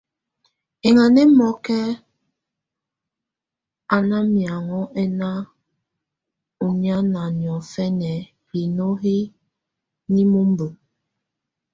Ɛŋɛmɔkɛ a nɔ́ miahɔ ɛna ɔ niana, niɔfɛnɛ hino hɛ ninumbǝ.